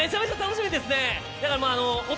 めちゃめちゃ楽しみですね。